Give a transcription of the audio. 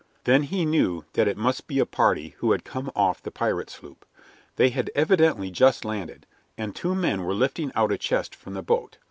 Then he knew that it must be a party who had come off the pirate sloop. They had evidently just landed, and two men were lifting out a chest from the boat.